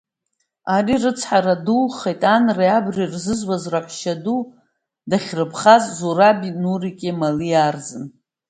Ари рыцҳара духеит анреи абреи рзызуаз раҳәшьаду дахьрыԥхаз Зураби Нурики Малиаа рзын.